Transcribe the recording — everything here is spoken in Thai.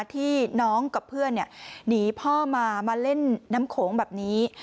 ที่น้องกับเพื่อนหนีพ่อมามาเล่นน้ำโขงแบบนี้